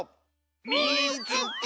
「みいつけた！」。